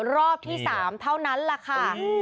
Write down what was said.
รอบที่๓เท่านั้นแหละค่ะ